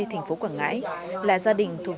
thành phố quảng ngãi là gia đình thuộc